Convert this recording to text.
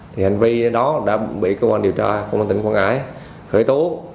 thì hành vi đó đã bị cơ quan điều tra cơ quan tỉnh quảng ngãi khởi tố